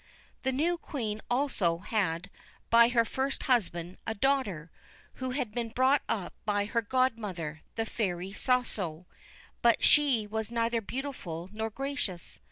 The new Queen also had, by her first husband, a daughter, who had been brought up by her godmother, the fairy Soussio ; but she was neither beautiful nor gracious.